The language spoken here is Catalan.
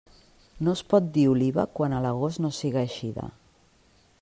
No es pot dir oliva quan a l'agost no siga eixida.